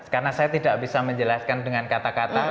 karena saya tidak bisa menjelaskan dengan kata kata